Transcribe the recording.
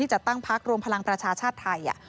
ที่จะตั้งพักโรงพลังประชาชาติไทย